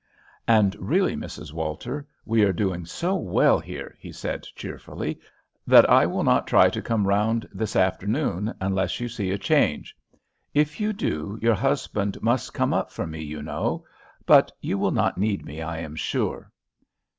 "And really, Mrs. Walter, we are doing so well here," he said cheerfully, "that I will not try to come round this afternoon, unless you see a change. If you do, your husband must come up for me, you know. But you will not need me, I am sure."